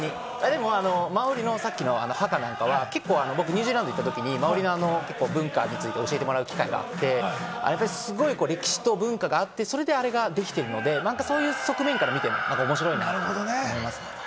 マオリのハカなんかは、僕ニュージーランド行ったときに文化を教えてもらう機会があって、歴史と文化があってそれができてるので、そういう側面から見ても面白いかなと思います。